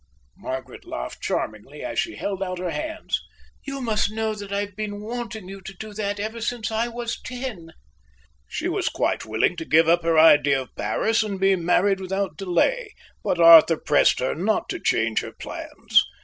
Margaret laughed charmingly as she held out her hands. "You must know that I've been wanting you to do that ever since I was ten." She was quite willing to give up her idea of Paris and be married without delay, but Arthur pressed her not to change her plans.